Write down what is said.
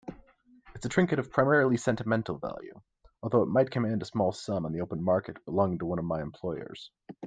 It's a trinket of primarily sentimental value, although it might command a small sum on the open market, belonging to one of my employers.